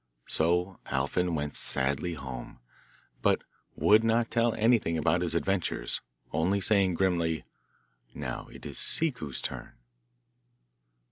So Alfin went sadly home, but would not tell anything about his adventures, only saying grimly, 'Now it is Ciccu's turn.